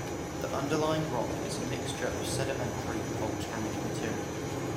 The underlying rock is a mixture of sedimentary and volcanic material.